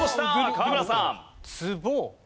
河村さん。